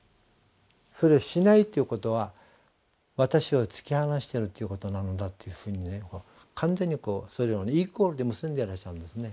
それをしないということは私を突き放しているということなのだというふうに完全にそれをイコールで結んでいらっしゃるんですね。